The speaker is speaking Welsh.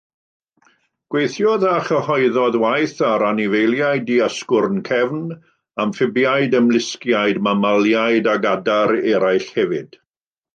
Gweithiodd a chyhoeddodd waith ar anifeiliaid di-asgwrn-cefn, amffibiaid, ymlusgiaid, mamaliaid ac adar eraill hefyd.